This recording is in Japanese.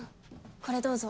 これどうぞ。